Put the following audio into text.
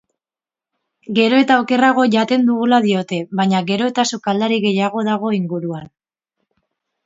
Gero eta okerrago jaten dugula diote baina gero eta sukaldari gehiago dago inguruan.